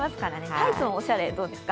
タイツのおしゃれ、どうですか？